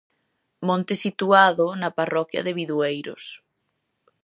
Monte situado na parroquia de Bidueiros.